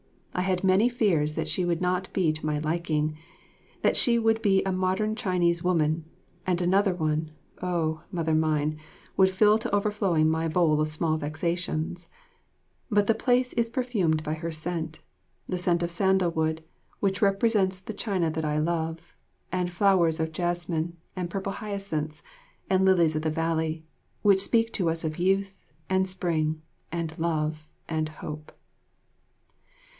I had many fears that she would not be to my liking, that she would be a modern Chinese woman; and another one, oh, Mother mine, would fill to overflowing my bowl of small vexations; but the place is perfumed by her scent, the scent of sandalwood, which represents the China that I love, and flowers of jessamine and purple hyacinths and lilies of the valley, which speak to us of youth and spring and love and hope.